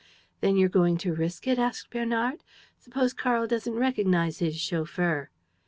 "Then you're going to risk it?" asked Bernard. "Suppose Karl doesn't recognize his chauffeur?"